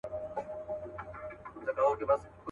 لاندي مځکه هره لوېشت ورته سقر دی.